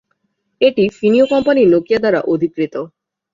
এটি ফিনীয় company Nokia দ্বারা অধিকৃত।